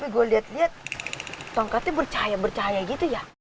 gue lihat lihat tongkatnya bercahaya bercahaya gitu ya